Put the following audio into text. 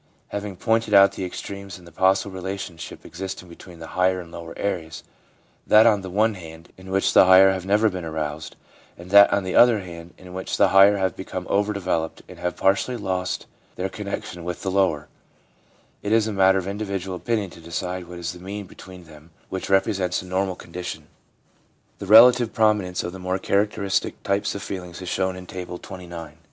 Having pointed out the extremes in the possible relationship existing between the higher and lower areas — that on the one hand, in which the higher have never been aroused, and that, on the other hand, in which the higher have become over developed, and have partially lost their connection with the lower — it is a matter of individual opinion to decide what is the mean between them which represents a normal condition. The relative prominence of the more characteristic types of feeling is shown in Table XXIX.